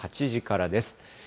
８時からです。